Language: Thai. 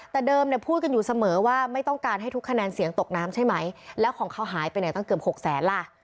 แต่เดิมเนี่ยพูดกันอยู่เสมอว่าไม่ต้องการให้ทุกคะแนนเสียงตกน้ำใช่ไหมแล้วของเขาหายไปไหนตั้งเกือบหกแสนล่ะ